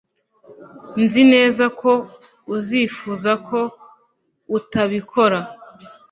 Nzi neza ko uzifuza ko utabikora